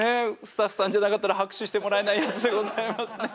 スタッフさんじゃなかったら拍手してもらえないやつでございますね。